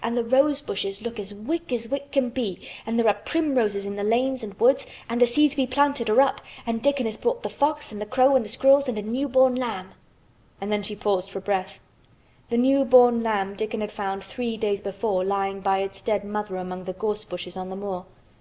And the rose bushes look as wick as wick can be, and there are primroses in the lanes and woods, and the seeds we planted are up, and Dickon has brought the fox and the crow and the squirrels and a new born lamb." And then she paused for breath. The new born lamb Dickon had found three days before lying by its dead mother among the gorse bushes on the moor.